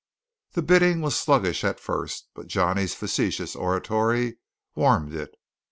The bidding was sluggish at first, but Johnny's facetious oratory warmed it.